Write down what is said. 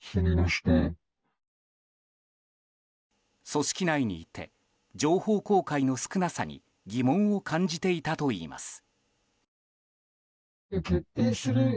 組織内にいて情報公開の少なさに疑問を感じていたといいます。